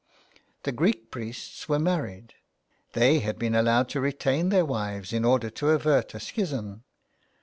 The Greek priests were married. They had been allowed to retain their wives in order to avert a schism.